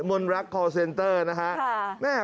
มนตร์รักคอลเซ็นเตอร์นะครับ